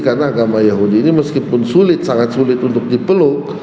karena agama yahudi ini meskipun sulit sangat sulit untuk dipeluk